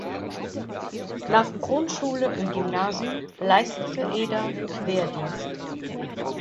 Nach Grundschule und Gymnasium leistete Eder Wehrdienst.